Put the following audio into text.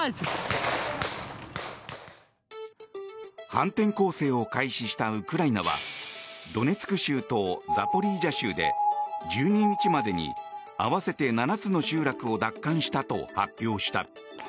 反転攻勢を開始したウクライナはドネツク州とザポリージャ州で１２日までに合わせて７つの集落を奪還したと発表した。